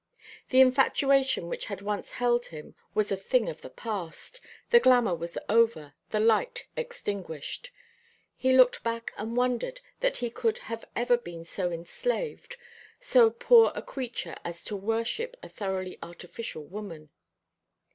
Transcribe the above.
The infatuation which had once held him was a thing of the past, the glamour was over, the light extinguished. He looked back and wondered that he could have ever been so enslaved, so poor a creature as to worship a thoroughly artificial woman.